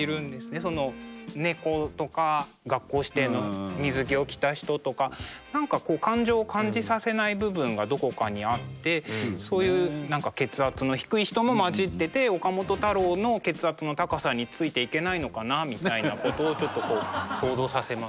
猫とか学校指定の水着を着た人とか何かこう感情を感じさせない部分がどこかにあってそういう何か血圧の低い人も混じってて岡本太郎の血圧の高さについていけないのかなみたいなことをちょっと想像させます。